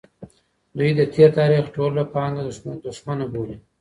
دوی د تېر تاریخ ټوله پانګه دښمنه بولي.